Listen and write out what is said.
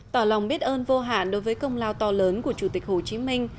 tỏ lòng biết ơn vô hạn đối với công lao to lớn của chủ tịch hồ chí minh